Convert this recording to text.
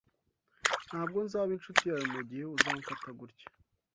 Ntabwo nzaba inshuti yawe mugihe uzamfata gutya.